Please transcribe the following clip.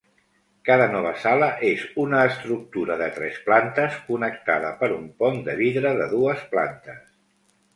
Cada nova sala és una estructura de tres plantes connectada per un pont de vidre de dues plantes.